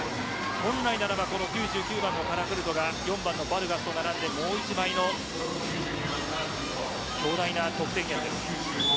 本来ならば９９番のカラクルトが４番のバルガスと並んでもう１枚の巨大な得点源です。